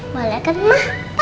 boleh kan ma